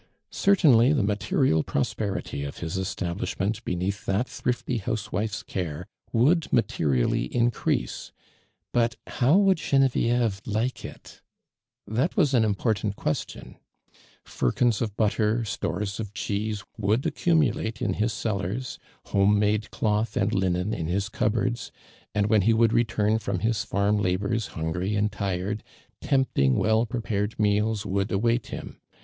Certainly the material pros])erity of his establishment beneath that thrifty housewife's care would materially increase, but how would Gene vieve like it? That was an imitortant ques ARMAND DIRAND. tion. Firkins of l)utln', storM of olifioso vould accuiniiliitn in hi't cellarH ; )lom(^ jnado c'.oth and linen in his ouphoards, and when ho would retimi iVoni his farm Inborn, hungry and tirod, tempting, well prenare<l luoals would await liini.